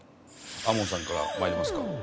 亞門さんから参りますか？